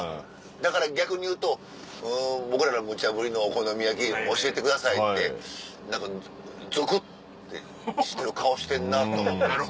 だから逆に言うと僕らのむちゃぶりの「お好み焼き教えてください」って何かゾクってしてる顔してんなと思ったんです。